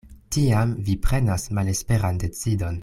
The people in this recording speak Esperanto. Tiam vi prenas malesperan decidon.